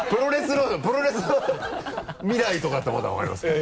プロレスの未来とかだったらまだ分かりますけど。